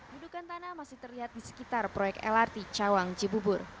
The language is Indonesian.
dudukan tanah masih terlihat di sekitar proyek lrt cawang cibubur